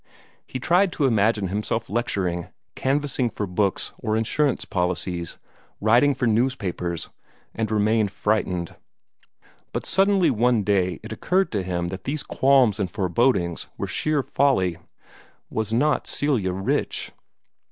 He tried to imagine himself lecturing, canvassing for books or insurance policies, writing for newspapers and remained frightened. But suddenly one day it occurred to him that these qualms and forebodings were sheer folly. Was not Celia rich?